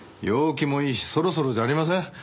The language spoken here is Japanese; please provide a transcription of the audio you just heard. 陽気もいいしそろそろじゃありません？